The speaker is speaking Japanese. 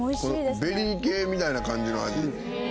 ベリー系みたいな感じの味。